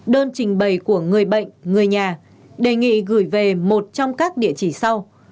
đơn trình bày của người bệnh người nhà đề nghị gửi về một trong các địa chỉ sau